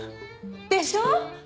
でしょ？